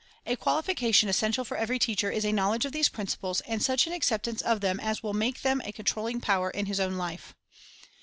A qualification essential for every teacher is a knowledge of these principles, and such an acceptance of them as will make them a con trolling power in his own life.